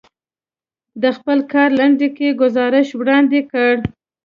د خپل کار لنډکی ګزارش وړاندې کړ.